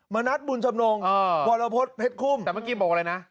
มณัฐบุญสำนวงศ์อ๋อบรพพฤทธิ์เพชรคุมแต่เมื่อกี้บอกเลยนะ